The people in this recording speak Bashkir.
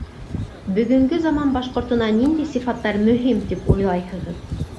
Бөгөнгө заман башҡортона ниндәй сифаттар мөһим, тип уйлайһығыҙ?